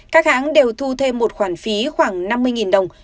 các hãng đều thu thêm một khoản phí khoảng năm mươi đồng